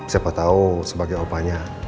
siapa tahu sebagai opanya